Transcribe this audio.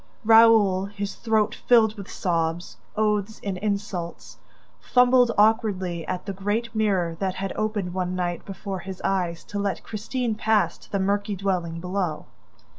Raoul, his throat filled with sobs, oaths and insults, fumbled awkwardly at the great mirror that had opened one night, before his eyes, to let Christine pass to the murky dwelling below.